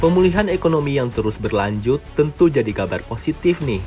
pemulihan ekonomi yang terus berlanjut tentu jadi kabar positif nih